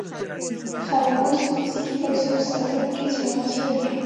خلک اوس د فزیکي پیسو په ساتلو کې زړه نا زړه دي.